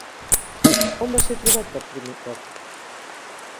On va ser trobat per primer cop?